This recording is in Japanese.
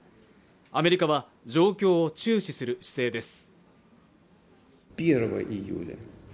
アメリカは状況を注視する姿勢です。